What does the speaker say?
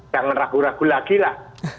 jangan ragu ragu lagi lah